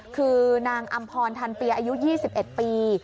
คือนางอำพรทันเปียอายุ๒๑ปี